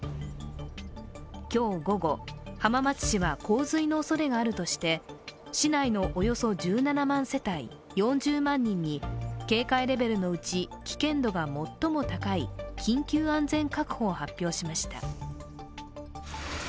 今日午後、浜松市は洪水のおそれがあるとして市内のおよそ１７万世帯４０万人に警戒レベルのうち危険度が最も高い緊急安全確保を発表しました。